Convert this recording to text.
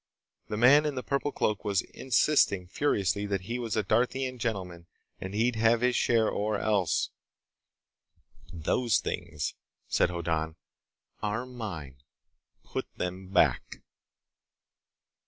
The man in the purple cloak was insisting furiously that he was a Darthian gentleman and he'd have his share or else— "Those things," said Hoddan, "are mine. Put them back."